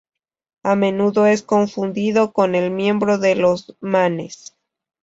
A menudo es confundido con un miembro de los Manes.